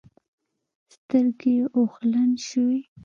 سترګې يې اوښلن شوې.